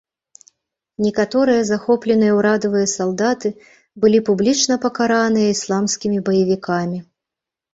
Некаторыя захопленыя ўрадавыя салдаты былі публічна пакараныя ісламскімі баевікамі.